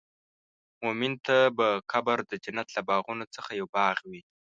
مؤمن ته به قبر د جنت له باغونو څخه یو باغ وي.